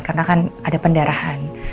karena kan ada pendarahan